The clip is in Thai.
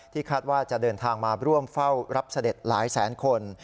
คาดว่าจะเดินทางมาร่วมเฝ้ารับเสด็จหลายแสนคน